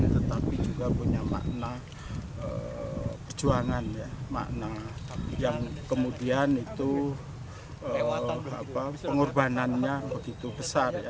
tetapi juga punya makna perjuangan makna yang kemudian itu pengorbanannya begitu besar ya